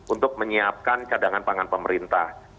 untuk menyiapkan cadangan pangan pemerintah